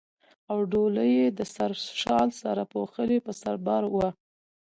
او ډولۍ یې د سره شال سره پوښلې پر سر بار وه.